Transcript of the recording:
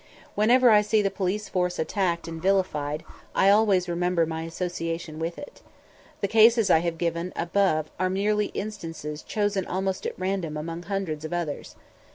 Whenever I see the police force attacked and vilified, I always remember my association with it. The cases I have given above are merely instances chosen almost at random among hundreds of others.